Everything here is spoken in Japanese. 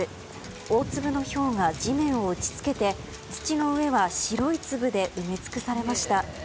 大粒のひょうが地面を打ち付けて土の上は白い粒で埋め尽くされました。